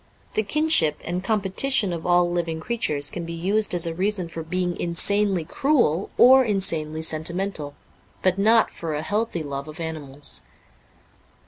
The kinship and competition of all living creatures can be used as a reason for being insanely cruel or insanely sentimental ; but not for a healthy love of animals.